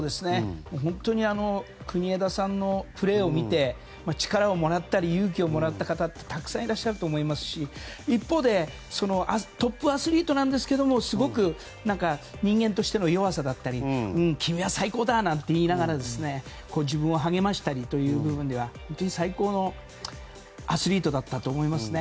本当に国枝さんのプレーを見て力をもらったり勇気をもらった方はたくさんいらっしゃると思いますし一方でトップアスリートなんですがすごく人間としての弱さや君は最高だなんて言いながら自分を励ましたりという部分では本当に最高のアスリートだったと思いますね。